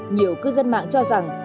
nhiều cư dân mạng cho rằng